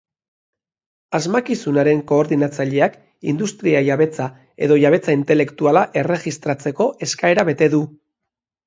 Asmakizunaren koordinatzaileak industria-jabetza edo jabetza intelektuala erregistatzeko eskaera bete du.